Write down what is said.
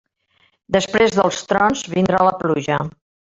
Després dels trons vindrà la pluja.